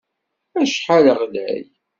Acḥal ɣlay!